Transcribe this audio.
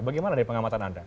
bagaimana dari pengamatan anda